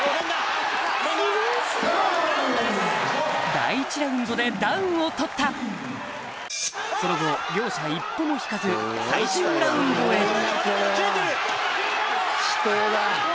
第１ラウンドでダウンを取ったその後両者一歩も引かず最終ラウンドへ死闘だ。